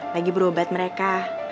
lagi berobat mereka